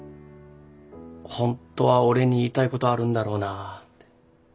ホントは俺に言いたいことあるんだろうなぁって。